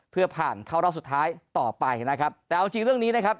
เพื่อผ่านเข้ารอบสุดท้ายต่อไปนะครับแต่เอาจริงเรื่องนี้นะครับ